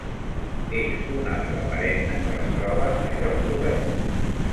És un arbre perenne que es troba a llocs oberts.